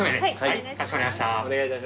かしこまりました。